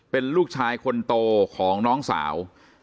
เป็นลูกชายคนโตของน้องสาว